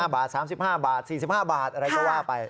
บาท๓๕บาท๔๕บาทอะไรก็ว่าไป